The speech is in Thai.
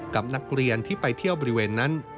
กับนักเรียนที่ไปเที่ยวบริเวณนั้น